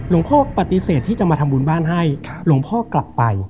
พ่อปฏิเสธที่จะมาทำบุญบ้านให้หลวงพ่อกลับไป